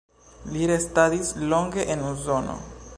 Li restadis longe en Usono.